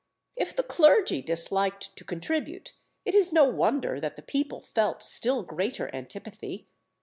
If the clergy disliked to contribute, it is no wonder that the people felt still greater antipathy.